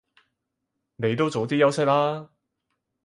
你都早啲休息啦